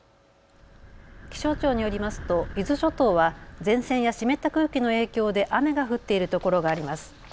気象庁によりますと伊豆諸島は前線や湿った空気の影響で雨が降っているところがあります。